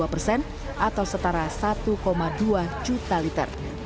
dua persen atau setara satu dua juta liter